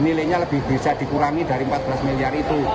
nilainya lebih bisa dikurangi dari empat belas miliar itu